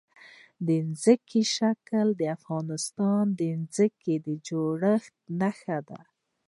ځمکنی شکل د افغانستان د ځمکې د جوړښت نښه ده.